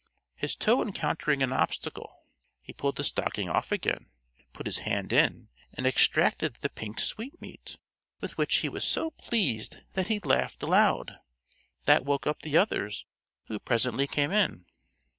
His toe encountering an obstacle, he pulled the stocking off again, put his hand in, and extracted the pink sweetmeat, with which he was so pleased that he laughed aloud. That woke up the others, who presently came in.